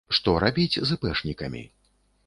Што рабіць з іпэшнікамі.